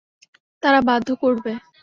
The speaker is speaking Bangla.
তারা বাধ্য করবে।